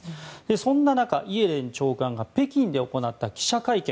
そんな中、イエレン長官が北京で行った記者会見